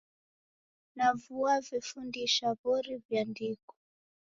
Na vuo vefundisha w'ori viandiko.